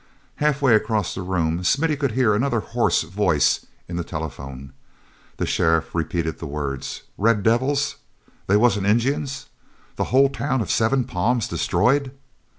Halfway across the room Smithy could hear another hoarse voice in the telephone. The sheriff repeated the words. "Red devils! They wasn't Injuns? The whole town of Seven Palms destroyed!"